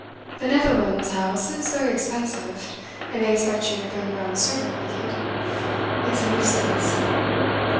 The Netherlands House is very expensive, and they expect you to bring your own servant with you. It's a nuisance."